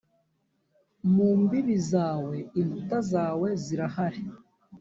mu mbibi zawe inkuta zawe zirahari